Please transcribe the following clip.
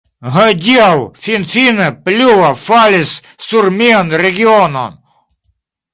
Hodiaŭ, finfine, pluvo falis sur mian regionon.